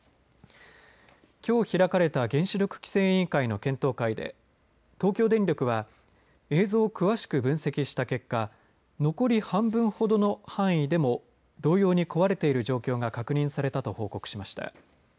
きょう開かれた原子力規制委員会の検討会で東京電力は映像を詳しく分析した結果残り半分ほどの範囲でも同様に壊れている状況が確認されたと報告しました。